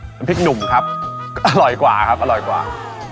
น้ำพริกหนุ่มครับก็อร่อยกว่าครับอร่อยกว่า